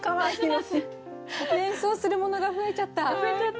連想するものが増えちゃった。